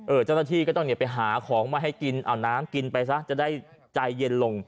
เจ้าหน้าที่ก็ต้องไปหาของมาให้กินเอาน้ำกินไปซะจะได้ใจเย็นลง